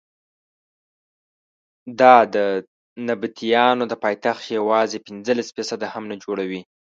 دا د نبطیانو د پایتخت یوازې پنځلس فیصده هم نه جوړوي.